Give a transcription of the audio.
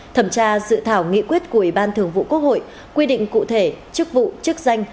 thẩm tra dự thảo nghị quyết của ủy ban thường vụ quốc hội quy định cụ thể chức vụ chức danh